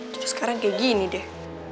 terus sekarang kayak gini deh